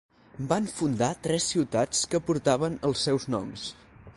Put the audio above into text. Van fundar tres ciutats que portaven els seus noms.